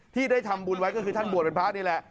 ที่ได้ทำบุญไว้ก็คือท่านบวชเป็นพระนี่แหละ